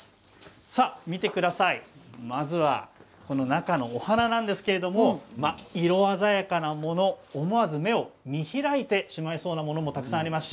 見てください、まずは中のお花なんですけれども色鮮やかなもの、思わず目を見開いてしまいそうなものもたくさんあります。